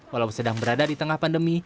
walau sedang berada di tengah pandemi